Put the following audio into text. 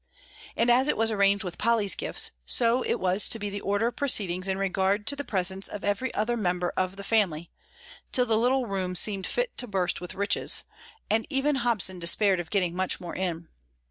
And as it was arranged with Polly's gifts, so it was to be the order of proceedings in regard to the presents of every other member of the family; till the little room seemed fit to burst with richness, and even Hobson despaired of getting much more in.